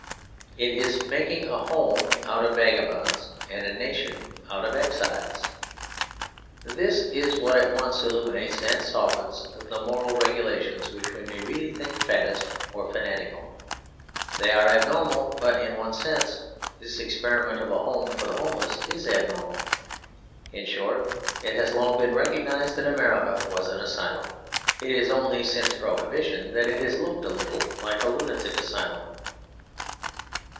It is making a home out of vagabonds and a nation out of exiles. This is what at once illuminates and softens the moral regulations which we may really think faddist or fanatical. They are abnormal; but in one sense this experiment of a home for the homeless is abnormal. In short, it has long been recognised that America was an asylum. It is only since Prohibition that it has looked a little like a lunatic asylum.